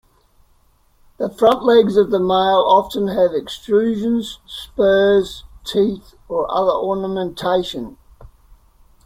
The front legs of the male often have extrusions, spurs, teeth, or other ornamentation.